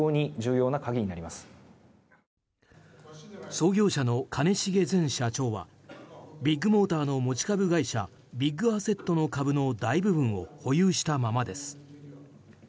創業者の兼重前社長はビッグモーターの持ち株会社ビッグアセットの株の大部分を保有したままです。